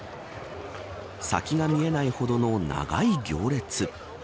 先が見えないほどの長い行列。